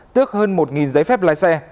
tước hơn một giấy phép lái xe